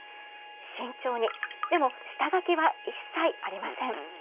慎重にでも、下書きは一切ありません。